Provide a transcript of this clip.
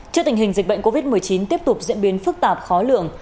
trước tình hình dịch bệnh covid một mươi chín tiếp tục diễn biến phức tạp khó lường